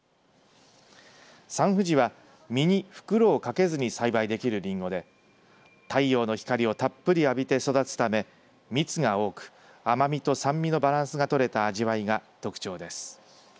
サンふじは実に袋をかけずに栽培できるりんごで太陽の光をたっぷり浴びて育つため蜜が多く甘みと酸味のバランスがとれた味わいが特徴です。